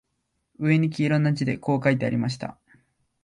上に黄色な字でこう書いてありました